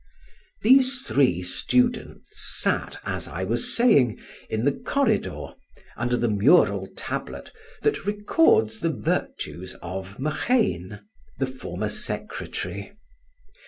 These three students sat, as I was saying, in the corridor, under the mural tablet that records the virtues of Machean, the former secretary.